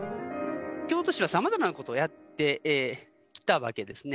京都市はさまざまなことをやってきたわけですね。